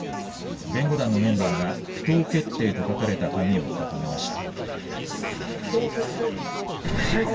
弁護団のメンバーが不当決定と書かれた紙を掲げました。